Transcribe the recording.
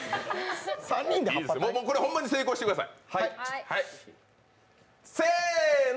これはホンマに成功してください。